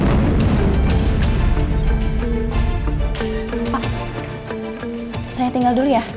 saya tinggal dulu ya